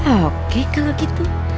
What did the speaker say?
oke kalau gitu